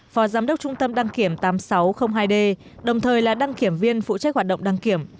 phó giám đốc trung tâm đăng kiểm tám nghìn sáu trăm linh hai d đồng thời là đăng kiểm viên phụ trách hoạt động đăng kiểm